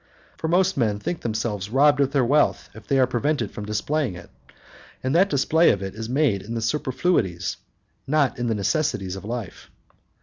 For most men think themselves robbed of their wealth if they are prevented from displaying it, and that display of it is made in the superfluities, not in the necessaries of life.